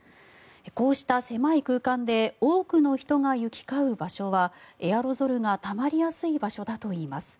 こうした狭い空間で多くの人が行き交う場所はエアロゾルがたまりやすい場所だといいます。